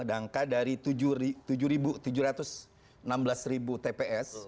angka dari tujuh ratus enam belas tps